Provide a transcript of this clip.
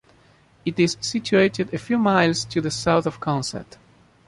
It is situated a few miles to the south of Consett.